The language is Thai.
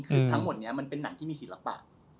คือทั้งหมดนี้มันเป็นหนังที่มีศิลปะ